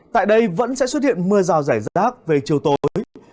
tại đây vẫn sẽ xuất hiện mưa rào rải rác về chiều tối